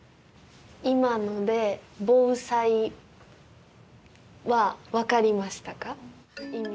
今ので防災は分かりましたか？